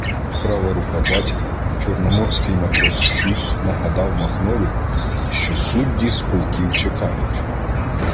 Права рука "батька" чорноморський матрос Щусь нагадав Махнові, що судді з полків чекають.